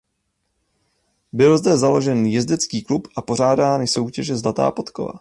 Byl zde založen jezdecký klub a pořádány soutěže Zlatá podkova.